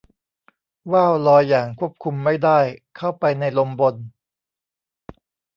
ว่าวลอยอย่างควบคุมไม่ได้เข้าไปในลมบน